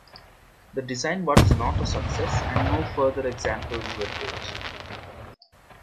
The design was not a success, and no further examples were built.